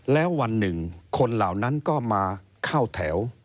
แล้ววันหนึ่งคนเหล่านั้นก็มาเข้าแถว